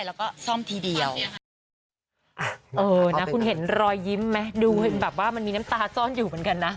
เออนะคุณเห็นรอยยิ้มไหมดูแบบว่ามันมีน้ำตาซ่อนอยู่เหมือนกันนะ